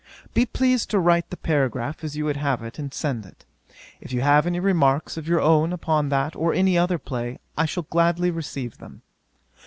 Be pleased to write the paragraph as you would have it, and send it. If you have any remarks of your own upon that or any other play, I shall gladly receive them.